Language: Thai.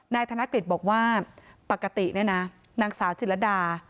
ธนกฤษบอกว่าปกติเนี่ยนะนางสาวจิลดา